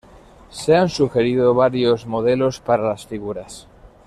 Se han sugerido varios modelos para las figuras.